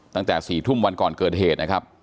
ตั้งแต่๔ทุ่มวันก่อนเกิดเหตุนะครับ